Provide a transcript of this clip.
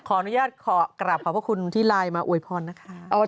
ขออนุญาตขอกราบขอบพระคุณที่ไลน์มาอวยพรนะคะ